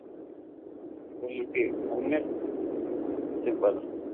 Por lo que Homer se enfada.